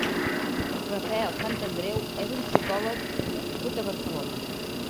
Rafael Santandreu és un psicólogo nascut a Barcelona.